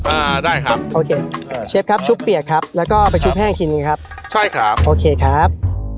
อ่าได้ครับโอเคเชฟครับชุบเปียกครับแล้วก็ไปชุบแห้งทีนี้ครับใช่ครับโอเคครับ